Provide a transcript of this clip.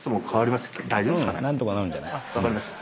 分かりました。